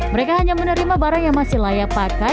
mereka hanya menerima barang yang masih layak pakai